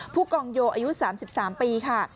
ผู้กองโยอายุ๓๓ปีค่ะ